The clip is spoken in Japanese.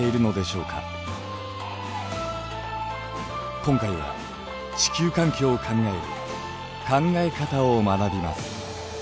今回は地球環境を考える考え方を学びます。